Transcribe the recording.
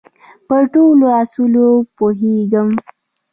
په ټولو اصولو پوهېږم.